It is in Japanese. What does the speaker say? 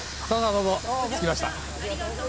どうぞ着きました。